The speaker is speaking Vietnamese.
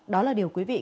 đó là điều quý vị